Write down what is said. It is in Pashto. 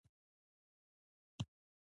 د بس کړکۍ باید د هوا د تودوخې لپاره خلاصې شي.